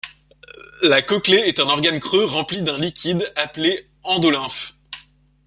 La cochlée est un organe creux rempli d'un liquide appelé endolymphe.